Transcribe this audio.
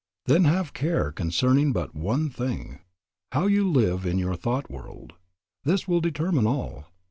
Then have care concerning but one thing, how you live in your thought world. This will determine all.